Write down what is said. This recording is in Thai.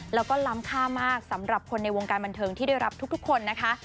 แล้วก็ล้ำค่ามากสำหรับคนในวงการบันเทิงที่ได้รับทุกคนนะคะ